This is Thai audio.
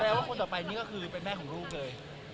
ว่าคนต่อไปนี่ก็คือเป็นแม่ของลูกเลย